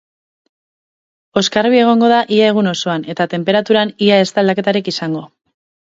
Oskarbi egongo da ia egun osoan eta tenperaturan ia ez da aldaketarik izango.